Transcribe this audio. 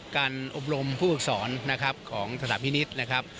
การอบรมผู้ฝึกสอนนะครับของสถานพินิษฐ์นะครับ